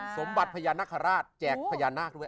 สมบัติพญานาคาราชแจกพญานาคด้วย